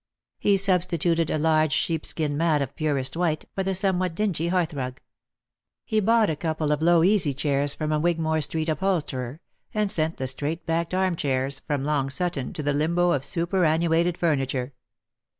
He substituted a large sheepskin mat of purest white for the somewhat dingy hearthrug. He bought a couple of low easy chairs from a Wigmore street upholsterer, and sent the straight backed arm chairs from Long Sutton to the limbo of superannuated fur niture.